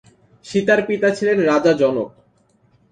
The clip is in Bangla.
সীতার পিতা ছিলেন রাজা জনক।